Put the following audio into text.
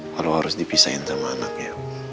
kalau harus dipisahin sama anaknya